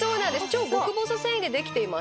超極細繊維でできています。